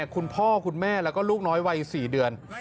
คุณพ่อคุณแม่แล้วก็ลูกน้อยวัย๔เดือน